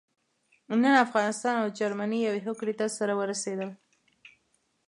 نن افغانستان او جرمني يوې هوکړې ته سره ورسېدل.